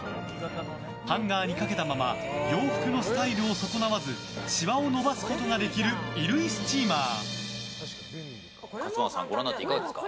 ハンガーにかけたまま洋服のスタイルを損なわずしわを伸ばすことができる衣類スチーマー。